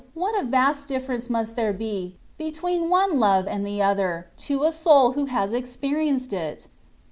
What a vast difference must there be, between one love and the other, to a soid who has experienced it